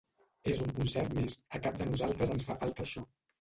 És un concert més; a cap de nosaltres ens fa falta això.